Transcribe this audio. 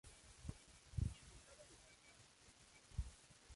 Y Jack y Judy Geller van a cenar a casa de Monica.